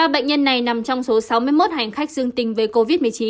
một mươi ba bệnh nhân này nằm trong số sáu mươi một hành khách dương tính với covid một mươi chín